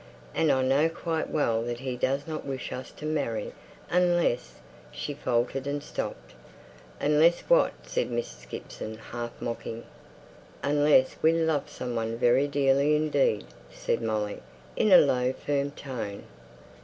And I know quite well that he does not wish us to marry, unless " She faltered and stopped. "Unless what?" said Mrs. Gibson, half mocking. "Unless we love some one very dearly indeed," said Molly, in a low, firm tone.